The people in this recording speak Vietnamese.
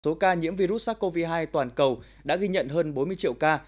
số ca nhiễm virus sars cov hai toàn cầu đã ghi nhận hơn bốn mươi triệu ca